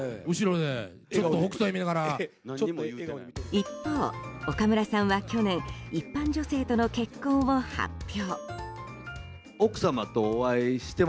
一方、岡村さんは去年一般女性との結婚を発表。